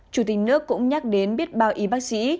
chủ tịch nước cũng nhắc đến biết bao y bác sĩ